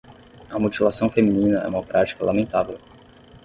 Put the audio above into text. A mutilação feminina é uma prática lamentável